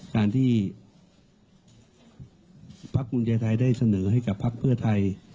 การที่พรรคกรุงใยไทยได้เสนอให้กับพรรคเพื่อไทย